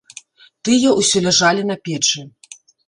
Тыя ўсё ляжалі на печы.